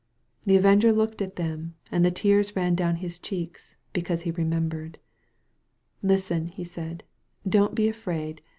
The Avenger looked at them and the tears ran down his cheeks, because he remembered. "Listen," he said, "don't be afraid.